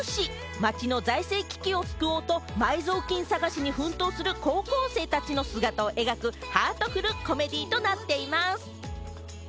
町の財政危機を救おうと埋蔵金探しに奮闘する高校生たちの姿を描くハートフルコメディーとなっています。